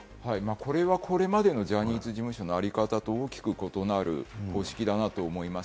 これはこれまでのジャニーズ事務所の在り方と大きく異なる方式だなと思います。